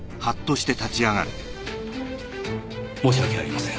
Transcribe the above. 申し訳ありません。